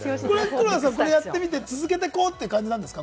黒田さん、やってみて続けて行こうっていう感じなんですか？